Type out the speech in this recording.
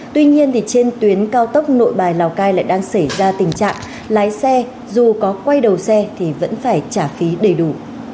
tuy nhiên trên tuyến cao tốc nội bài lào cai lại đang xảy ra tình trạng lái xe dù có quay đầu xe thì vẫn phải trả phí đầy đủ